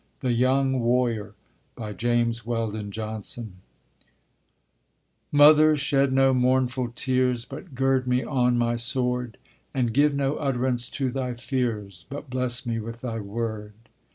THE YOUNG WARRIOR JAMES WELDON JOHNSON Mother, shed no mournful tears, But gird me on my sword; And give no utterance to thy fears, But bless me with thy word.